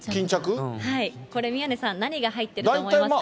これ、宮根さん、何が入ってると思いますか？